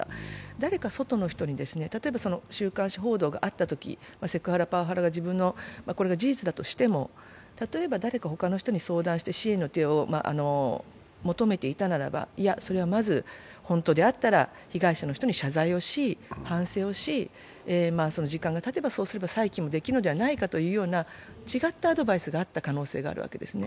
誰か外の人に、例えば週刊誌報道があったとき、セクハラ、パワハラが自分のこれが事実だとしても、例えば誰か他の人に相談して、支援の手を求めていたならば、いやそれは、本当であったらば被害者の人に謝罪をし反省をし、時間がたてば再起ができるのではないかと違ったアドバイスがあった可能性があるわけですね。